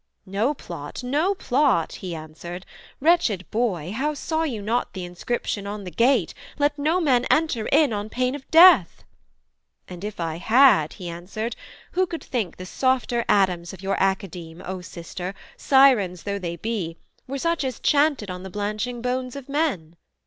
'No plot, no plot,' he answered. 'Wretched boy, How saw you not the inscription on the gate, LET NO MAN ENTER IN ON PAIN OF DEATH?' 'And if I had,' he answered, 'who could think The softer Adams of your Academe, O sister, Sirens though they be, were such As chanted on the blanching bones of men?'